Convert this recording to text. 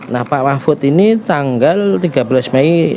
nah pak mahfud ini tanggal tiga belas mei